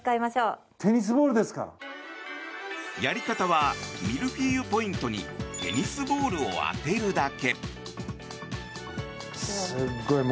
やり方はミルフィーユポイントにテニスボールを当てるだけ。